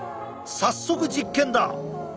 早速実験だ！